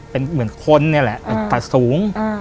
เป็นเหมือนคนนี่แหละตัดสูง